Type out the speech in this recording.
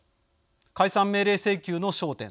解散命令請求の焦点。